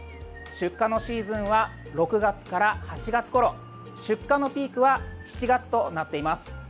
出荷のシーズンは６月から８月ごろ出荷のピークは７月となっています。